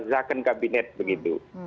jaken kabinet begitu